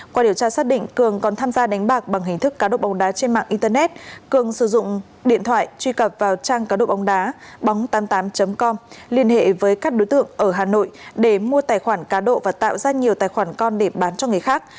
qua điều tra xác định cường còn tham gia đánh bạc bằng hình thức cá độ bóng đá trên mạng internet cường sử dụng điện thoại truy cập vào trang cá độ bóng đá bóng tám mươi tám com liên hệ với các đối tượng ở hà nội để mua tài khoản cá độ và tạo ra nhiều tài khoản con để bán cho người khác